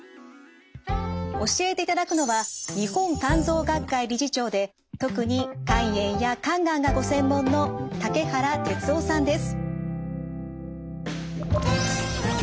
教えていただくのは日本肝臓学会理事長で特に肝炎や肝がんがご専門の竹原徹郎さんです。